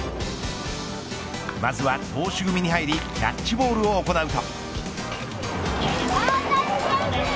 まずは投手組に入りキャッチボールを行うと。